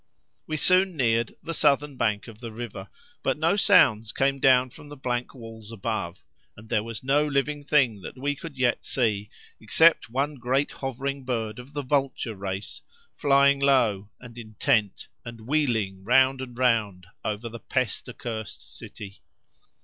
We soon neared the southern bank of the river, but no sounds came down from the blank walls above, and there was no living thing that we could yet see, except one great hovering bird of the vulture race, flying low, and intent, and wheeling round and round over the pest accursed city.